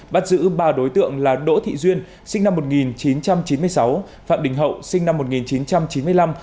bắt giữ ba đối tượng là đỗ thị duyên sinh năm một nghìn chín trăm chín mươi sáu phạm đình hậu sinh năm một nghìn chín trăm chín mươi năm